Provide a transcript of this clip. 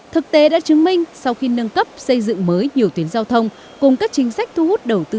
thực tế đã chứng minh sau khi nâng cấp xây dựng mới nhiều tuyến giao thông cùng các chính sách thu hút đầu tư